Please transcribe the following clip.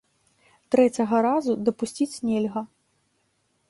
Трэцяга разу дапусціць нельга.